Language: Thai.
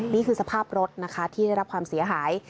นี่คือสภาพรถนะคะที่ได้รับความเสียหาย